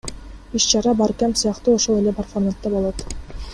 Иш чара Баркэмп сыяктуу эле ошол фарматта болот.